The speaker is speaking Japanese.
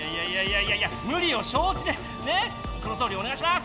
いやいやムリをしょう知でねっこのとおりおねがいします！